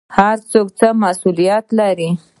هر څوک څه مسوولیت لري؟